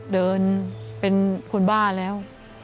เดินเป็นคนบ้านแล้ว